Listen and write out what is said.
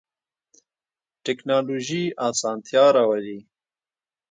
تکنالوژی اسانتیا راولی